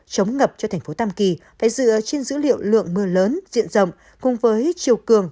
chống ngập cho thành phố tam kỳ phải dựa trên dữ liệu lượng mưa lớn diện rộng cùng với chiều cường